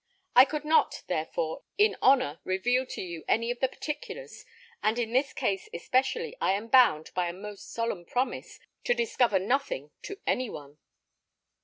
I could not, therefore, in honour reveal to you any of the particulars; and in this case especially, I am bound, by a most solemn promise, to discover nothing to any one."